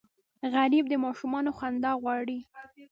غریب د ماشومانو خندا غواړي